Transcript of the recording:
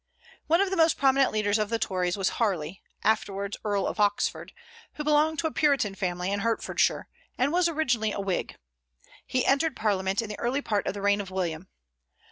One of the most prominent leaders of the Tories was Harley, afterwards Earl of Oxford, who belonged to a Puritan family in Hertfordshire, and was originally a Whig. He entered Parliament in the early part of the reign of William.